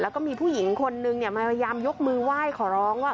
แล้วก็มีผู้หญิงคนนึงมาพยายามยกมือไหว้ขอร้องว่า